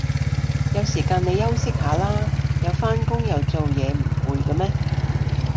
有時間你休息下啦，又返工又做嘢唔攰嘅咩